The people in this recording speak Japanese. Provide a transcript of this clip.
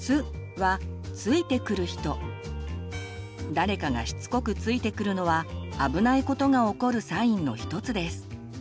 「つ」は誰かがしつこくついてくるのはあぶないことが起こるサインの一つです。